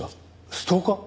ストーカー？